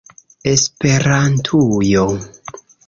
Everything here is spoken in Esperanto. Esperantujo!